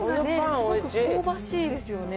香ばしいですよね。